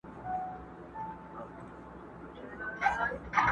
د ځنګله په پاچهي کي هر څه کېږي!!